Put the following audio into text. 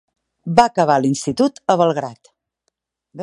Va acabar l'institut a Belgrad.